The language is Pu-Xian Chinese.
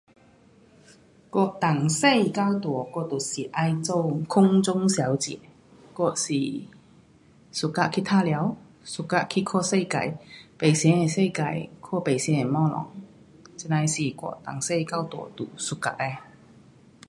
我从小到大我就是要做空中小姐，我是 suka 去玩耍，suka 去看世界，不同的世界看不同的东西。这样的是我从小到大 suka 的。